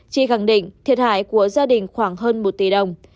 chi khẳng định thiệt hại của gia đình khoảng hơn một tỷ đồng